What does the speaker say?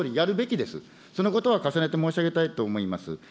総理、そのことは重ねてお願いしたいと思います。